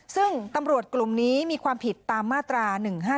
ซึ่งตำรวจกลุ่มนี้มีความผิดตามมาตรา๑๕๗